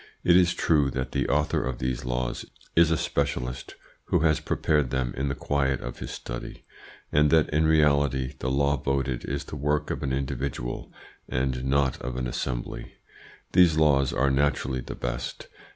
It is true that the author of these laws is a specialist who has prepared them in the quiet of his study, and that in reality the law voted is the work of an individual and not of an assembly. These laws are naturally the best.